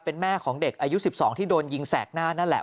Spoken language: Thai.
เป็นแม่ของเด็กอายุ๑๒ที่โดนยิงแสกหน้านั่นแหละ